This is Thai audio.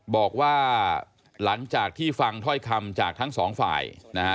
บอกว่าหลังจากที่ฟังถ้อยคำจากทั้งสองฝ่ายนะฮะ